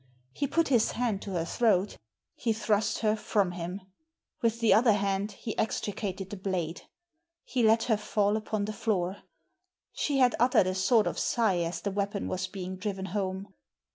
He put his hand to her throat He thrust her from him. With the other hand he extricated the blade. He let her fall upon the floor. She had uttered a sort of sigh as the weapon was being driven home.